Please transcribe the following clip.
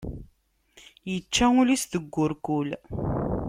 Ičča ul-is deg urkul.